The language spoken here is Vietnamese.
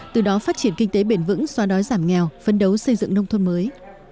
từ đó phát triển kinh tế bền vững xóa đói giảm nghèo phấn đấu xây dựng nông thôn mới